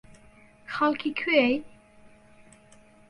خەڵکی کوێی؟